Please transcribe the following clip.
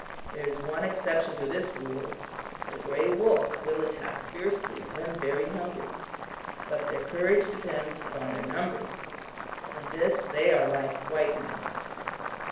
"There is one exception to this rule the grey wolf will attack fiercely when very hungry. But their courage depends upon their numbers; in this they are like white men.